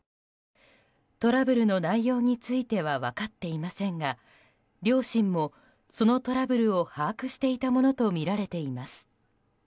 トラブルの内容については分かっていませんが両親もそのトラブルを把握していたものとみられています。